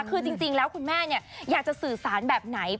คือจริงแล้วคุณแม่อยากจะสื่อสารแบบไหน